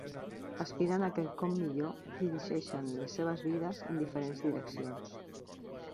Aspirant a quelcom millor, dirigeixen les seves vides en diferents direccions.